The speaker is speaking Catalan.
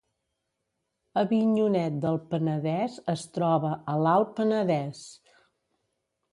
Avinyonet del Penedès es troba a l’Alt Penedès